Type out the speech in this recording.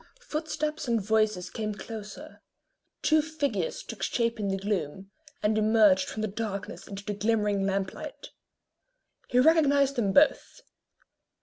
Footsteps and voices came closer; two figures took shape in the gloom, and emerged from the darkness into the glimmering lamp light. He recognised them both.